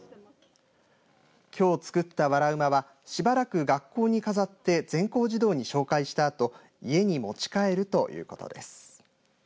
きょう作ったわら馬は、しばらく学校に飾って全校児童に紹介したあと家に持ち帰るということです。